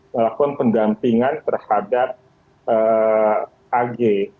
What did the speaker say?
melakukan pendampingan terhadap ag